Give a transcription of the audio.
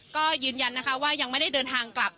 ก็ยืนยันนะคะว่ายังไม่ได้เดินทางกลับ